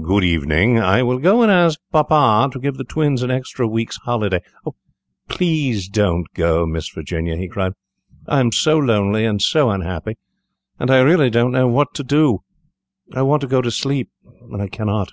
"Good evening; I will go and ask papa to get the twins an extra week's holiday." "Please don't go, Miss Virginia," he cried; "I am so lonely and so unhappy, and I really don't know what to do. I want to go to sleep and I cannot."